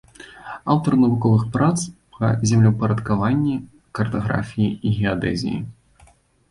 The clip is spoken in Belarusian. Аўтар навуковых прац па землеўпарадкаванні, картаграфіі і геадэзіі.